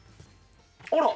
あら！